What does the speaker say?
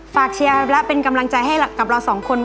เชียร์และเป็นกำลังใจให้กับเราสองคน